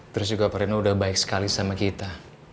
terus juga pak reno udah baik sekali sama kita